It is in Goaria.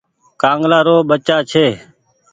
ڪآنگلآ رو بچآ ڇي۔